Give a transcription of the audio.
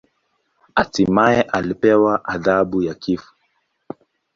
Hatimaye alipewa adhabu ya kifo.